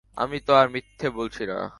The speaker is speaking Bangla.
আমি তো আর মিথ্যে বলছি না।